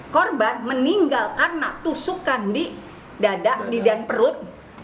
korban meninggal karena tusukan di dada di dan perut